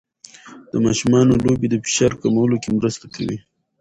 د ماشومانو لوبې د فشار کمولو کې مرسته کوي.